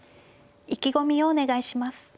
意気込みをお願いします。